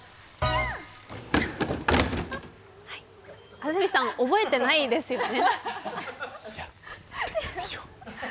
安住さん、覚えてないですよね。